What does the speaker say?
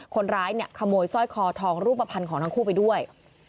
คนร้ายเนี่ยขโมยสร้อยคอทองรูปภัณฑ์ของทั้งคู่ไปด้วย